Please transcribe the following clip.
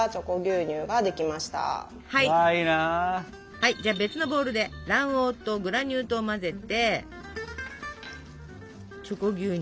はいじゃあ別のボウルで卵黄とグラニュー糖を混ぜてチョコ牛乳